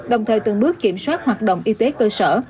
đồng thời từng bước kiểm soát hoạt động y tế cơ sở